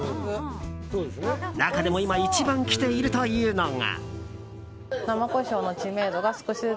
中でも今一番きているというのが。